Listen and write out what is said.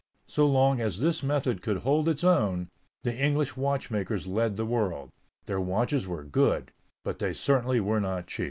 So long as this method could hold its own, the English watchmakers led the world; their watches were good, but they certainly were not cheap.